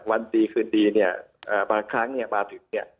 วันดีคืนดีเนี่ยบางครั้งเนี่ยมาถึงเนี่ย